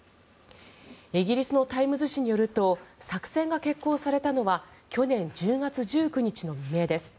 イギリスのタイムズ紙によると作戦が決行されたのは去年１０月１９日の未明です。